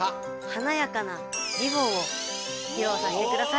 はなやかなリボンをひろうさせてください！